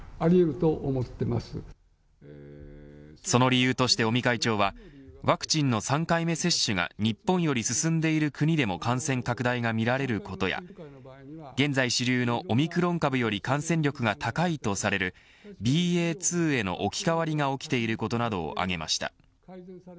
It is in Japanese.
その理由として尾身会長はワクチンの３回目接種が日本より進んでいる国でも感染拡大が見られることや現在主流のオミクロン株より感染力が高いとされるＢＡ．２への置き換わりが起きていることなどを挙げました。